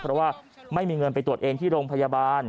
เพราะว่าไม่มีเงินไปตรวจเองที่โรงพยาบาล